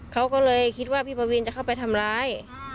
เขาก็เลยคิดว่าพี่ปวินจะเข้าไปทำร้าย